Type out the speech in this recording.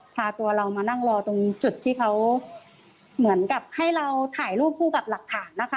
พาตัวเรามานั่งรอตรงจุดที่เขาเหมือนกับให้เราถ่ายรูปคู่กับหลักฐานนะคะ